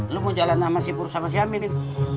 lo mau jalan sama si pur sama si amin in